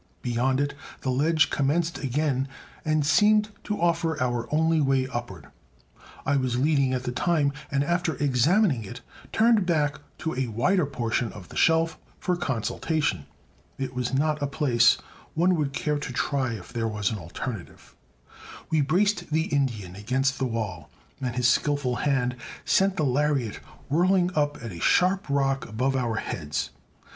Beyond it the ledge commenced again and seemed to offer our only way upward. I was leading at the time, and, after examining it, turned back to a wider portion of the shelf for consultation. It was not a place one would care to try if there was an alternative. We braced the Indian against the wall, and his skillful hand sent the lariat whirling up at a sharp rock above our heads.